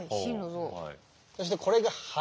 そしてこれが肺。